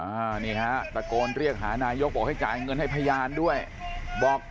อ่านี่ฮะตะโกนเรียกหานายกบอกให้จ่ายเงินให้พยานด้วยบอก